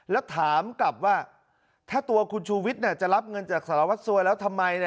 แล้วถามกลับว่าถ้าตัวคุณชูวิทย์จะรับเงินจากสารวัสสัวแล้วทำไม